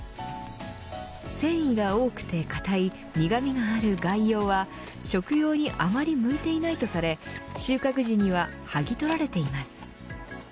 繊維が多くて硬い苦味がある外葉は食用にあまり向いていないとされ収穫時には剥ぎ取られています。